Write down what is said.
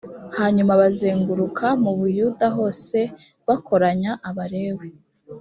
hanyuma bazenguruka mu buyuda hose bakoranya abalewi.